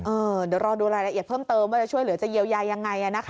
เดี๋ยวรอดูรายละเอียดเพิ่มเติมว่าจะช่วยเหลือจะเยียวยายังไงนะคะ